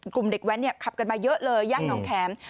กลุ่มเด็กแว้นขับกันมาเยอะเลยย่านน้องแข็ม